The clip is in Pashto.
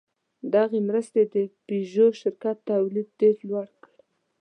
دغې مرستې د پيژو شرکت تولید ډېر لوړ کړ.